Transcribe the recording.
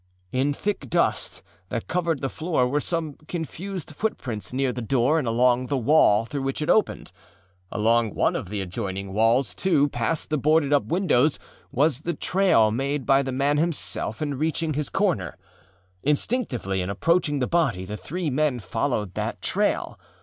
In thick dust that covered the floor were some confused footprints near the door and along the wall through which it opened. Along one of the adjoining walls, too, past the boarded up windows, was the trail made by the man himself in reaching his corner. Instinctively in approaching the body the three men followed that trail.